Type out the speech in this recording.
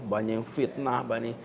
banyak fitnah apa ini